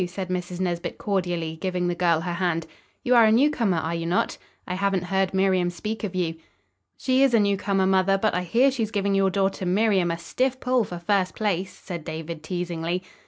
said Mrs. Nesbit cordially, giving the girl her hand. "You are a newcomer, are you not? I haven't heard Miriam speak of you." "She is a newcomer, mother, but I hear she's giving your daughter Miriam a stiff pull for first place," said David teasingly.